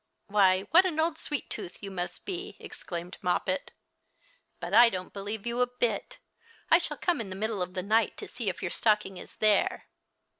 "Why, what an old sweet tooth you must be!" exclaimed Moppet ;" but I don't believe you a bit. I shall come in the middle of the night to see if your stocking is there."